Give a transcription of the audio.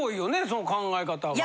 その考え方が。